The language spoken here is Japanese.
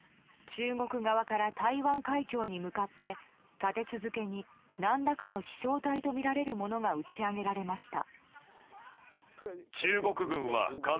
中国側から台湾海峡に向かって立て続けに何らかの飛翔体とみられるものが打ち上げられました。